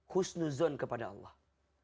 khusnuzon kepada allah